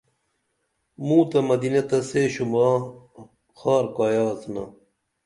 موں تہ مدینہ تہ سے شوباں ہار کایہ آڅِنا